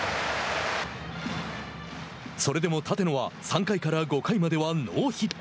それでも立野は３回から５回まではノーヒット。